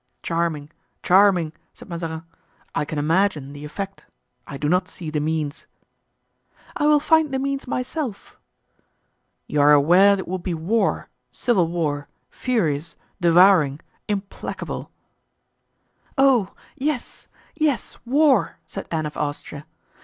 "Charming! charming!" said Mazarin. "I can imagine the effect, I do not see the means." "I will find the means myself." "You are aware it will be war, civil war, furious, devouring, implacable?" "Oh! yes, yes, war," said Anne of Austria.